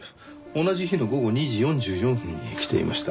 同じ日の午後２時４４分に来ていました。